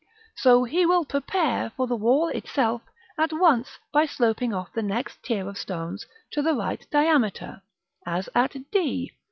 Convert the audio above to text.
So he will prepare for the wall itself at once by sloping off the next tier of stones to the right diameter, as at d.